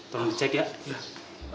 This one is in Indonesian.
tolong cek ya